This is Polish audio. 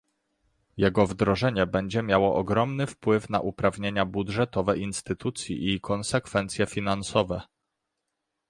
Jego wdrożenie będzie miało ogromny wpływ na uprawnienia budżetowe instytucji i konsekwencje finansowe